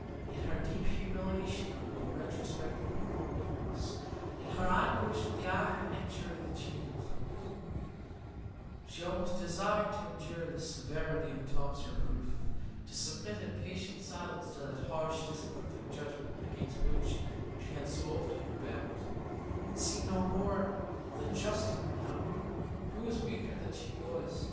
In her deep humiliation under the retrospect of her own weakness,—in her anguish at the injury she had inflicted,—she almost desired to endure the severity of Tom's reproof, to submit in patient silence to that harsh, disapproving judgment against which she had so often rebelled; it seemed no more than just to her now,—who was weaker than she was?